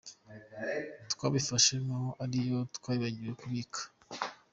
Twabifashe nk’aho ari iyo twibagiwe kubika.